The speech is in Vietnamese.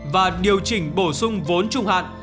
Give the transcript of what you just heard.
và điều chỉnh bổ sung vốn trung hạn